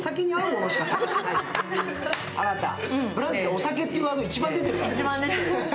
「お酒」っていうワード一番出てる。